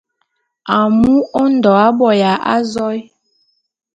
Amu Ondo aboya azoé.